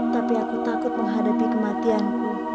tapi aku takut menghadapi kematianku